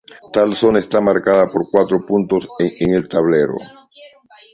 Tal zona está marcada por cuatro puntos en el tablero.